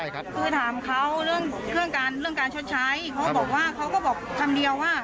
คือถามเขาเรื่องการเรื่องการชดใช้เขาบอกว่าเขาก็บอกคำเดียวว่า